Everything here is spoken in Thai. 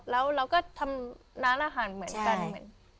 แล้วเราก็ทำร้านอาหารเหมือนกันเหมือน